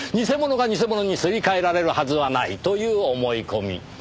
偽物が偽物にすり替えられるはずはないという思い込み。